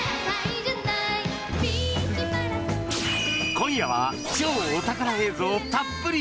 今夜は超お宝映像たっぷり！